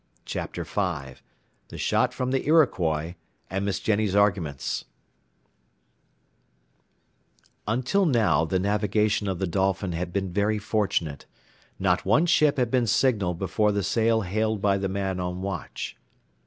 Chapter V THE SHOT FROM THE IROQUOIS, AND MISS JENNY'S ARGUMENTS Until now the navigation of the Dolphin had been very fortunate. Not one ship had been signalled before the sail hailed by the man on watch.